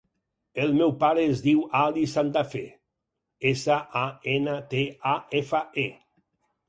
El meu pare es diu Ali Santafe: essa, a, ena, te, a, efa, e.